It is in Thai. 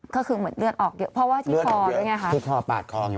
ก็คือเหมือนเลือดออกเพราะว่าที่คอเพื่อน้องเฮ้ยครับ